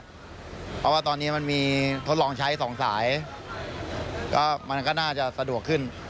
เพราะว่าตอนนี้มันมีทดลองใช้สองสายก็มันก็น่าจะสะดวกขึ้น